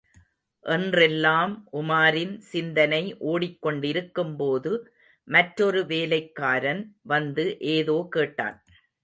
என்றெல்லாம் உமாரின் சிந்தனை ஓடிக் கொண்டிருக்கும்போது, மற்றொரு வேலைக்காரன் வந்து ஏதோ கேட்டான்.